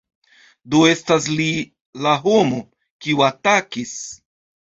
Do estas li la homo, kiu atakis.